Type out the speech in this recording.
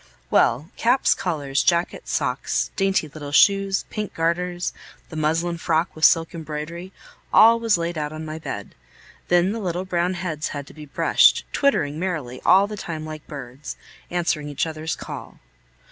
Well, caps, collars, jackets, socks, dainty little shoes, pink garters, the muslin frock with silk embroidery, all was laid out on my bed. Then the little brown heads had to be brushed, twittering merrily all the time like birds, answering each other's call.